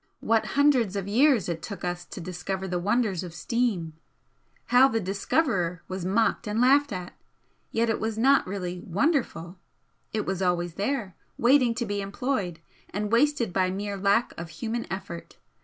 What hundreds of years it took us to discover the wonders of steam! how the discoverer was mocked and laughed at! yet it was not really 'wonderful' it was always there, waiting to be employed, and wasted by mere lack of human effort.